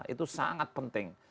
itu sangat penting